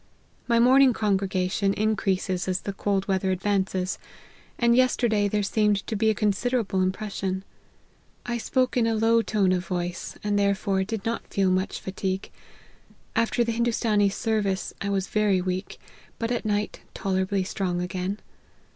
My morning congregation increases as the cold weather advances, and yesterday there seemed to be a con siderable impression. I spoke in a low tone of voice, and therefore, did not feel much fatigue ; after the Hindoostanee service I was very weak ; but at night tolerably strong again.